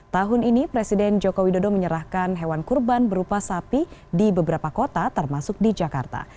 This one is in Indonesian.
tahun ini presiden joko widodo menyerahkan hewan kurban berupa sapi di beberapa kota termasuk di jakarta